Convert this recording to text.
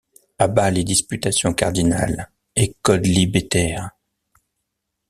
À bas les disputations cardinales et quodlibétaires!